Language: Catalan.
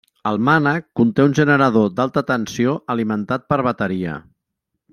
El mànec conté un generador d'alta tensió alimentat per bateria.